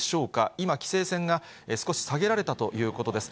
今、規制線が少し下げられたということです。